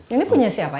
ini punya siapa